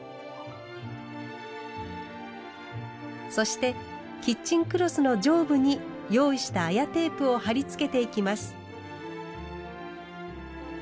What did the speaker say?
そしてキッチンクロスの上部に用意した綾テープを貼り付けていきます。